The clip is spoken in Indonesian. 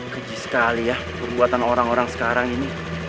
keji sekali ya perbuatan orang orang sekarang ini